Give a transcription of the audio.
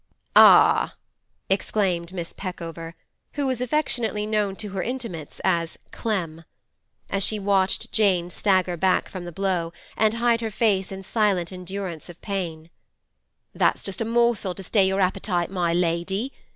'Ah!' exclaimed Miss Peckover (who was affectionately known to her intimates as 'Clem'), as she watched Jane stagger back from the blow, and hide her face in silent endurance of pain. 'That's just a morsel to stay your appetite, my lady!